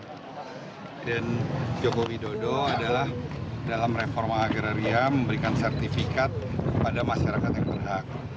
presiden jokowi dodo adalah dalam reforma agraria memberikan sertifikat kepada masyarakat yang berhak